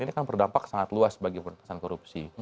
ini kan berdampak sangat luas bagi pertasan korupsi